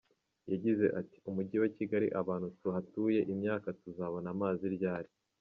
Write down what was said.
Yagize ati “Umujyi wa Kigali abantu tuhatuye imyaka, tuzabona amazi ryari?